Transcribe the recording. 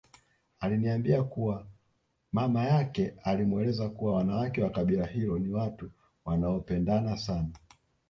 Aliniambia kuwa mama yake alimweleza kuwa wanawake wa kabila hilo ni watu wanaopendana sana